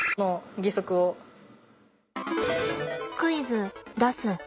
クイズ出す。